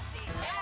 satu dua tiga